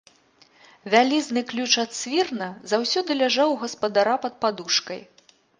Вялізны ключ ад свірна заўсёды ляжаў у гаспадара пад падушкай.